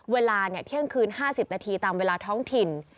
เวลาเที่ยงคืน๕๐นาทีตามเวลาท้องถิ่น